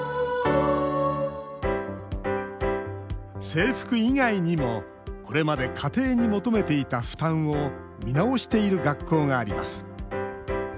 制服以外にもこれまで家庭に求めていた負担を見直している学校があります。